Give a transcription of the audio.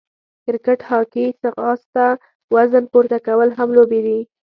کرکېټ، هاکې، ځغاسته، وزن پورته کول هم لوبې دي.